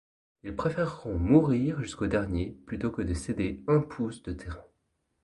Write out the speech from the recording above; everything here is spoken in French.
Ils préfèreront mourir jusqu'au dernier plutôt que de céder un pouce de terrain.